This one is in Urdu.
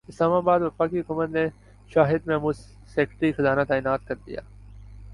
اسلام اباد وفاقی حکومت نے شاہد محمود سیکریٹری خزانہ تعینات کردیا